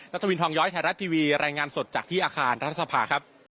วินทองย้อยไทยรัฐทีวีรายงานสดจากที่อาคารรัฐสภาครับ